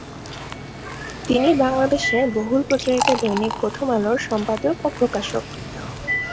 তিনি বাংলাদেশের বহুল প্রচারিত দৈনিক প্রথম আলোর সম্পাদক ও প্রকাশক।